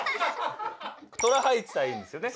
「虎」入ってたらいいんですよね？